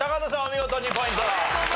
お見事２ポイント。